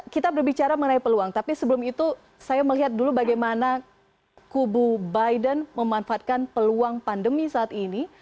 kita berbicara mengenai peluang tapi sebelum itu saya melihat dulu bagaimana kubu biden memanfaatkan peluang pandemi saat ini